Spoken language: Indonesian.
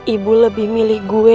ibu lebih milih gue